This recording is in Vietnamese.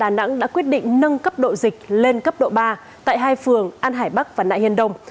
nâng cấp độ dịch lên cấp độ ba tại hai phường an hải bắc và nại hiên đông